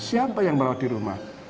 siapa yang merawat di rumah